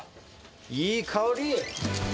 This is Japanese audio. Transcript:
いい香り。